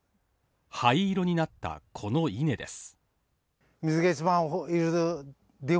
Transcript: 灰色になった、この稲です。